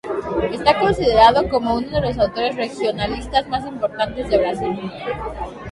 Está considerado como uno de los autores regionalistas más importantes de Brasil.